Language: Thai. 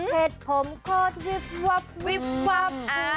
เผ็ดผมขอดวิบวับวิบวับ